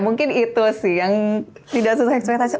mungkin itu sih yang tidak sesuai ekspektasi